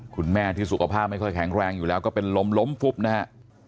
คุณแม่ที่สุขภาพไม่ค่อยแข็งแรงอยู่แล้วก็เป็นลมล้มฟุบนะฮะ